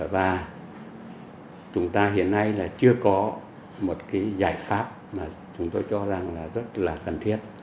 và chúng ta hiện nay là chưa có một cái giải pháp mà chúng tôi cho rằng là rất là cần thiết